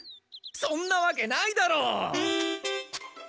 そんなわけないだろ！